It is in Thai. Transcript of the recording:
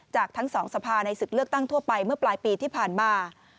จากทั้งสองสภาในศึกเลือกตั้งทั่วไปเมื่อปลายปีที่ผ่านมา